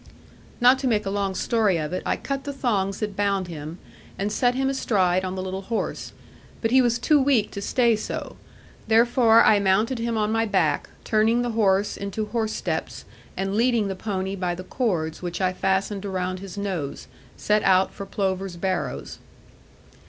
Not to make a long story of it, I cut the thongs that bound him, and set him astride on the little horse; but he was too weak to stay so. Therefore I mounted him on my back, turning the horse into horse steps, and leading the pony by the cords which I fastened around his nose, set out for Plover's Barrows.